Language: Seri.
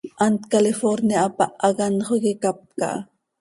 Hant Califórnia hapáh hac anxö iiqui capca ha.